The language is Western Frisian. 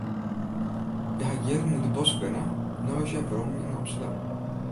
Hja hat jierren yn de bosk wenne, no is hja werom yn Amsterdam.